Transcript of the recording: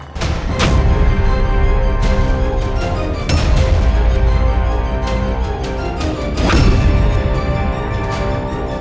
tidak akan cukup